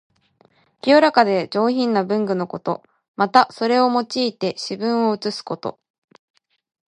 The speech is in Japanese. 清らかで上品な文具のこと。また、それを用いて詩文を写すこと。